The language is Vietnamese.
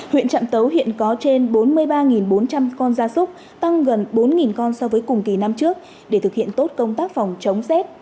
huyện trạm tấu hiện có trên bốn mươi ba bốn trăm linh con gia súc tăng gần bốn con so với cùng kỳ năm trước để thực hiện tốt công tác phòng chống rét